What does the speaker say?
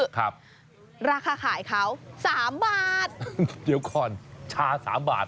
ครับราคาขายเขาสามบาทเดี๋ยวก่อนชาสามบาท